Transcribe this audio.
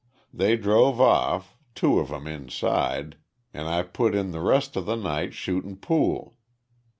They drove off, two of 'em inside, an' I put in th' rest of th' night shootin' pool.